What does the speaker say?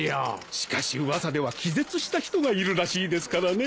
しかし噂では気絶した人がいるらしいですからねえ。